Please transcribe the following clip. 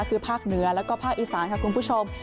คือภาคเหนือแล้วก็ภาคอีสานค่ะคุณผู้ชม